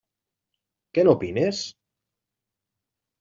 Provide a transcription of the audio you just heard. Què n'opines?